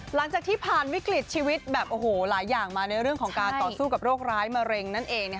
หลังจากที่ผ่านวิกฤตชีวิตแบบโอ้โหหลายอย่างมาในเรื่องของการต่อสู้กับโรคร้ายมะเร็งนั่นเอง